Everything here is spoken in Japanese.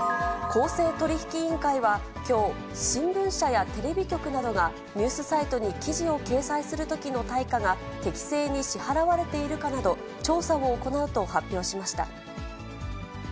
公正取引委員会は、きょう、新聞社やテレビ局などがニュースサイトに記事を掲載するときの対価が適正に支払われているかなど、調査を行うと発表しました。